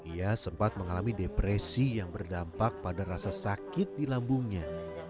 ia sempat mengalami depresi yang berdampak pada rasa sakit di lambungnya